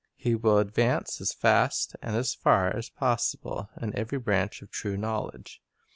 He will advance as fast and as far as possible in every branch of true knowledge.